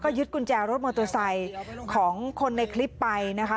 ก็ยึดกุญแจรถมอโตซัยของคนในคลิปไปนะคะ